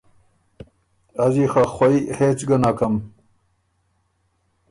از يې خه خوئ هېڅ ګۀ نکم